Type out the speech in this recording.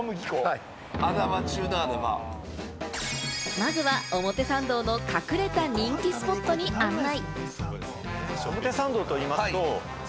まずは、表参道の隠れた人気スポットに案内。